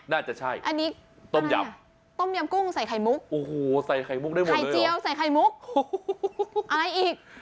น่าจะใช่ต้มยำกุ้งใส่ไข่มุกไข่เจี๊ยวใส่ไข่มุกอะไรอีก